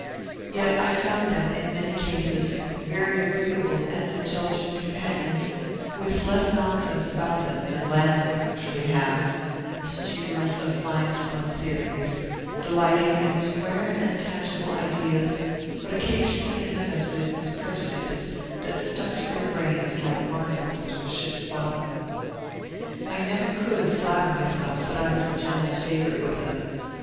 Yet I found them, in many cases, very agreeable and intelligent companions, with less nonsense about them than landsmen usually have, eschewers of fine spun theories, delighting in square and tangible ideas, but occasionally infested with prejudices that stuck to their brains like barnacles to a ship's bottom. I never could flatter myself that I was a general favorite with them.